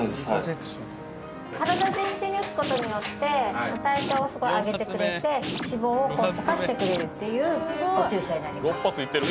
体全身に打つことによって代謝をすごい上げてくれて脂肪を溶かしてくれるというお注射になります。